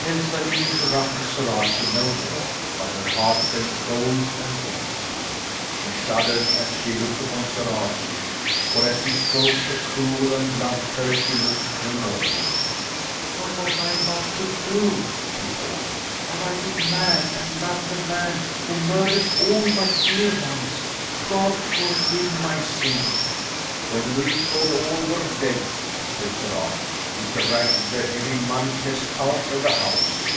Elsalill interrupted Sir Archie no more, but her heart felt cold and empty. She shuddered as she looked upon Sir Archie, for as he spoke a cruel and bloodthirsty look came over him. "What was I about to do?" she thought. "Have I been mad and loved the man who murdered all my dear ones? God forgive my sin!" "When we thought all were dead," said Sir Archie, "we dragged the heavy money chest out of the house.